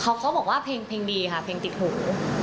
เขาบอกว่าเพลงดีค่ะเพลงติดหู